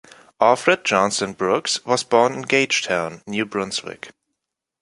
Alfred Johnson Brooks was born in Gagetown, New Brunswick.